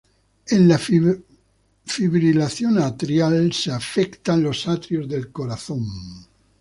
En la "fibrilación atrial", se afectan los atrios del corazón.